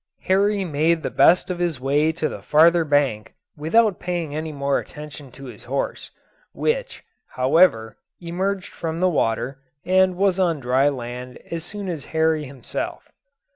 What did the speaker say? Horry made the best of his way to the farther bank, without paying any more attention to his horse, which, however, emerged from the water, and was on dry land as soon as Horry himself.